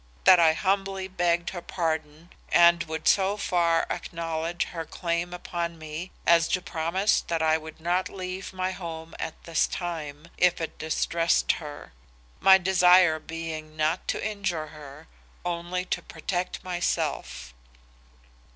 That I humbly begged her pardon and would so far acknowledge her claim upon me as to promise that I would not leave my home at this time, if it distressed her; my desire being not to injure her, only to protect myself.